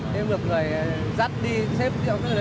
thêm việc người dắt đi xếp điệu